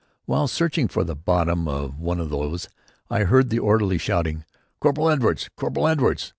While searching for the bottom of one of these I heard the orderly shouting: "Corporal Edwards! Corporal Edwards!"